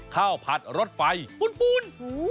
ข้าวผัดรสไฟปูน